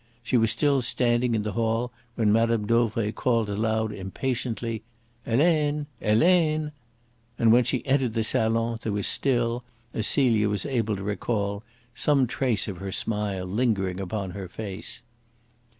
She was still standing in the hall when Mme. Dauvray called aloud impatiently: "Helene! Helene!" And when she entered the salon there was still, as Celia was able to recall, some trace of her smile lingering upon her face.